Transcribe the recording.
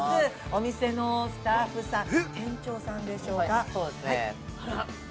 お店のスタッフさん、店長さんでしょうか。